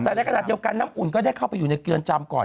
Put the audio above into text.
แต่ในขณะเดียวกันน้ำอุ่นก็ได้เข้าไปอยู่ในเรือนจำก่อน